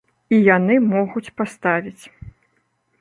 І яны могуць паставіць.